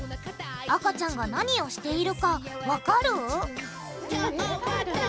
赤ちゃんがなにをしているかわかる？